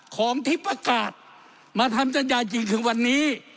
ของที่ประกาศมาทำสัญญาจริงถึงวันนี้